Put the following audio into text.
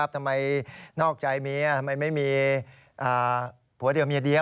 นอกใจเมียทำไมไม่มีผัวเดี่ยวเมียเดียว